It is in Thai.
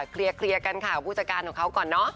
เคลียร์กันค่ะผู้จัดการของเขาก่อนเนอะ